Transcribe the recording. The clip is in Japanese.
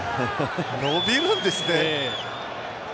伸びるんですね。